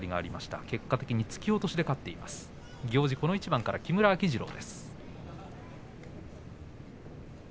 行司はこの一番から木村秋治郎。